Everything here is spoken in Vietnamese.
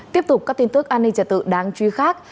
tiếp tục các tin tức an ninh trả tự đáng truy khác